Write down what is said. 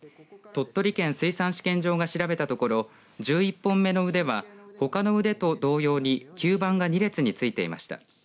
鳥取県水産試験場が調べたところ１１本目の腕はほかの腕と同様に吸盤が２列についていました。